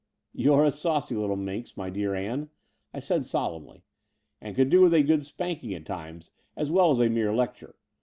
"You're a saucy little minx, my dear Ann," I said solemnly, "and could do with a good spanking at times as well as a mere lecture.